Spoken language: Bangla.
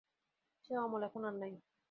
সে অমল এখন আর নাই।